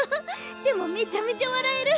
でもめちゃめちゃ笑える。